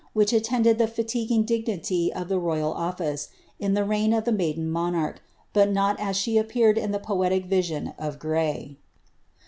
which attended the fatiguing dignity of the loyal oflice, in the reign of the maiden monarch, but not as she appeared to the poetic vision of Gny.